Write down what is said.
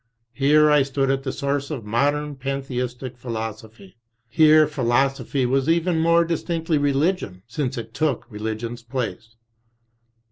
Here I stood at the source of modem pantheistic Philosophy. Here Phi losophy was even more distinctly Religion, since it took Re ligion's place.